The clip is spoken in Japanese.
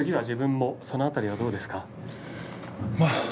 自分はその辺りはどうですか？